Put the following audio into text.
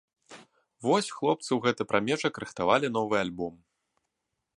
Вось хлопцы ў гэты прамежак рыхтавалі новы альбом.